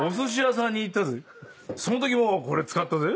そのときもこれ使ったぜ。